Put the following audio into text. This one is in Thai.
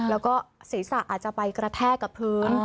แล้วก็ศีรษะอาจจะไปกระแทกกับพื้น